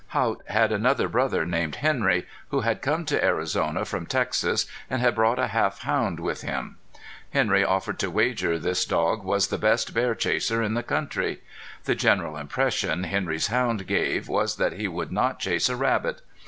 Haught had another brother named Henry, who had come to Arizona from Texas, and had brought a half hound with him. Henry offered to wager this dog was the best bear chaser in the country. The general impression Henry's hound gave was that he would not chase a rabbit.